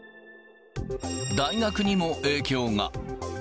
大学にも影響が。